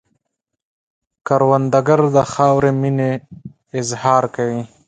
کروندګر د خاورې د مینې اظهار کوي